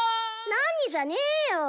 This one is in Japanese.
⁉「何」じゃねーよ。